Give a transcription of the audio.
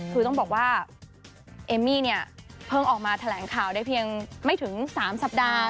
คือต้องบอกว่าเอมมี่เนี่ยเพิ่งออกมาแถลงข่าวได้เพียงไม่ถึง๓สัปดาห์